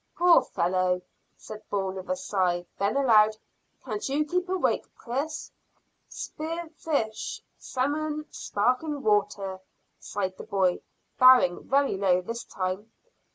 "Poor fellow!" said Bourne, with a sigh. Then aloud "Can't you keep awake, Chris?" "Spear fish salmon sparkling water," sighed the boy, bowing very low this time.